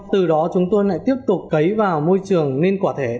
từ đó chúng tôi lại tiếp tục cấy vào môi trường nên quả thể